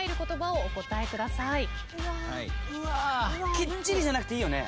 きっちりじゃなくていいよね。